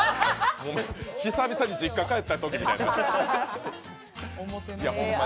久々に実家帰ったときにみたいになってて。